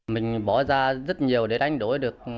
mình bỏ ra rất nhiều để đánh đổi được